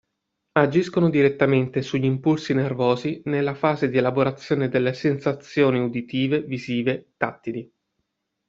Agiscono direttamente sugli impulsi nervosi nella fase di elaborazione delle sensazioni uditive, visive, tattili.